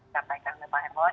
sampaikan ke pak hermawan